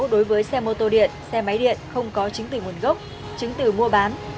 đối với xe mô tô điện xe máy điện không có chứng tử nguồn gốc chứng tử mua bán